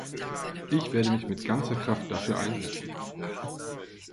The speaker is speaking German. Ich werde mich mit ganzer Kraft dafür einsetzen.